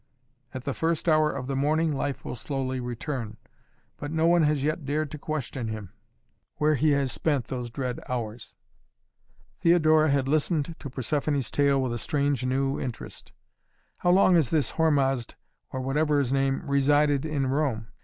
At the first hour of the morning life will slowly return. But no one has yet dared to question him, where he has spent those dread hours." Theodora had listened to Persephoné's tale with a strange new interest. "How long has this Hormazd or whatever his name resided in Rome?"